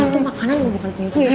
itu makanan gue bukan punya gue